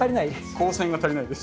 光線が足りないです。